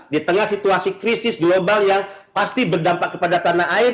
di tengah situasi krisis global yang pasti berdampak kepada tanah air